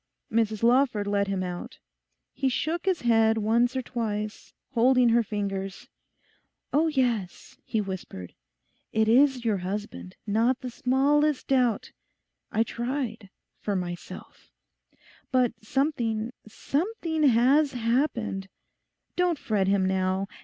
Mrs Lawford let him out. He shook his head once or twice, holding her fingers. 'Oh yes,' he whispered, 'it is your husband, not the smallest doubt. I tried: for myself. But something—something has happened. Don't fret him now.